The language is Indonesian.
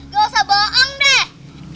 gak usah bohong deh